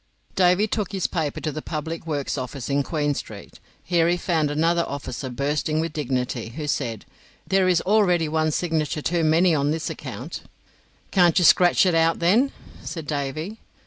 Davy took his paper to the Public Works office in Queen Street. Here he found another officer bursting with dignity, who said: "There is already one signature too many on this account." "Can't you scratch it out, then?" said Davy.